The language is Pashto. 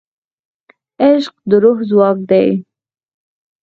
عشق د روح ځواک دی.